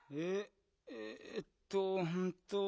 えっとうんと。